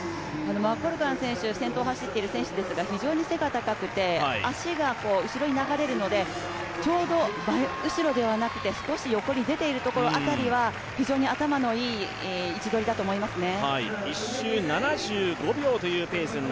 マコルガン選手、先頭を走っている選手ですが、非常に背が高くて足が後ろに流れるのでちょうど真後ろではなくて少し横に出ている辺りは非常に頭のいい位置取りだと思いますね。